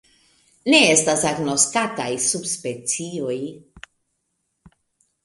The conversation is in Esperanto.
Ne estas agnoskataj subspecioj.